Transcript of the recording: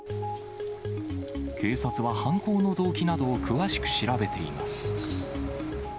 警察は犯行の動機などを詳しく調べています。